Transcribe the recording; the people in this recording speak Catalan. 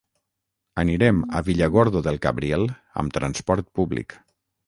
Anirem a Villargordo del Cabriel amb transport públic.